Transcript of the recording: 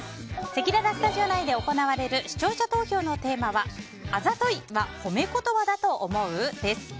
せきららスタジオ内で行われる視聴者投票のテーマはあざとい！は褒め言葉だと思う？です。